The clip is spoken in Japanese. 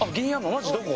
マジどこ？